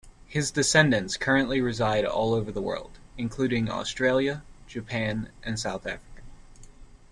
His descendants currently reside all over the world, including Australia, Japan and South Africa.